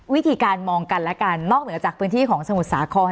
วิธีการมองกันและกันนอกเหนือจากพื้นที่ของสมุทรสาคร